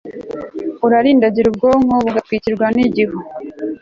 urarindagira ubwonko bugatwikirwa nigihu